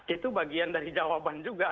itu bagian dari jawaban juga